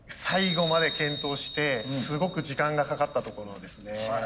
最後まで検討してすごく時間がかかったところですね。